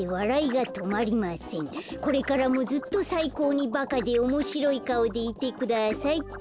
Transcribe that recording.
これからもずっとさいこうにバカでおもしろいかおでいてください」っと。